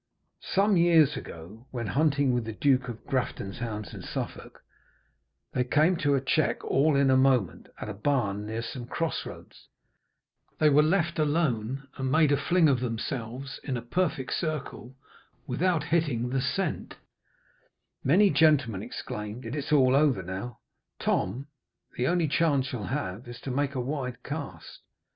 Some years ago, when hunting with the Duke of Grafton's hounds in Suffolk, they came to a check all in a moment, at a barn near some cross roads; they were left alone, and made a fling of themselves, in a perfect circle, without hitting the scent; many gentlemen exclaimed, 'It is all over now, Tom; the only chance you have is to make a wide cast.'